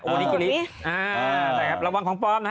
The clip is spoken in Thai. โอลิกิริระวังของปลอมนะฮะ